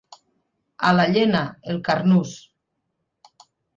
A la Llena, el carnús.